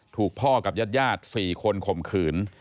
ถูกพ่อกับญาติ๔คนข่มขืน